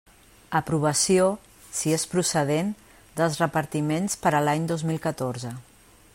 Aprovació, si és procedent, dels repartiments per a l'any dos mil catorze.